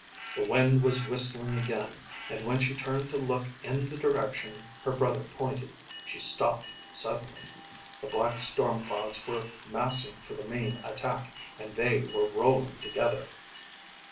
The wind was whistling again and when she turned to look in the direction her brother pointed, she stopped suddenly. The black storm clouds were massing for the main attack and they were rolling together.